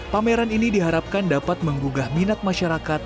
pameran ini diharapkan dapat menggugah minat masyarakat